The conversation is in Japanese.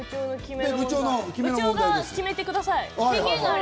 部長が決めてください。